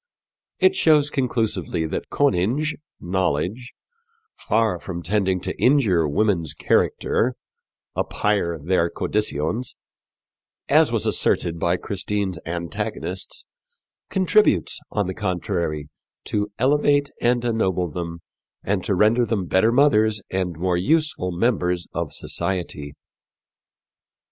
It shows conclusively that conynge knowledge far from tending to injure women's character apayre theyr condycyons as was asserted by Christine's antagonists, contributes, on the contrary, to elevate and ennoble them and to render them better mothers and more useful members of society.